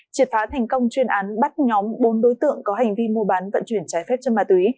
triệt phá thành công chuyên án bắt nhóm bốn đối tượng có hành vi mua bán vận chuyển trái phép chân ma túy